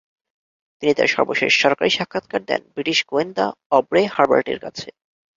তিনি তার সর্বশেষ সরকারি সাক্ষাতকার দেন ব্রিটিশ গোয়েন্দা অবরে হার্বার্টের কাছে।